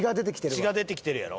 血が出てきてるやろ？